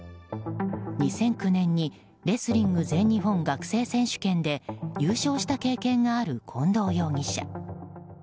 ２００９年にレスリング全日本学生選手権で優勝した経験がある近藤容疑者。